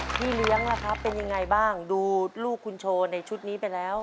พี่เลี้ยงเป็นอย่างไรบ้างดูลูกคุณโชหนิชุดนี้ไปแล้ว